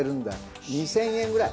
２０００円ぐらい。